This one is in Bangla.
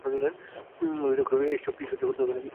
ললিতা কহিল, এ-সব কি সহ্য করতে হবে?